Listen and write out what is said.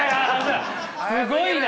すごいな。